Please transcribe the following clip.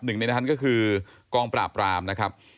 หนึ่งในนั้นก็คือกองปราบรามนะครับ